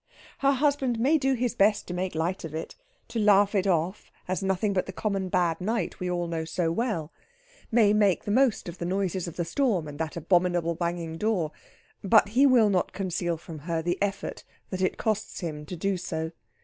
Her husband may do his best to make light of it to laugh it off as nothing but the common bad night we all know so well; may make the most of the noises of the storm, and that abominable banging door; but he will not conceal from her the effort that it costs him to do so.